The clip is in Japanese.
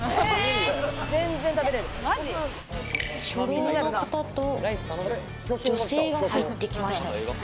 初老の方と女性が入ってきました。